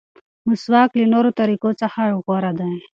مسواک له نورو طریقو څخه غوره دی.